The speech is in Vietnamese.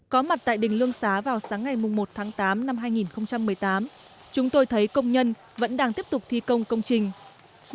có mặt tại đỉnh lương xá vào sáng ngày một tháng tám năm hai nghìn một mươi tám chúng tôi thấy công nhân vẫn đang tiếp tục thi công công trình